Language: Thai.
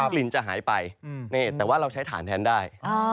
กลิ่นจะหายไปแต่ว่าเราใช้ฐานแทนได้